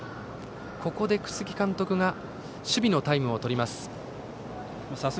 ここで楠城監督が守備のタイムを取ります。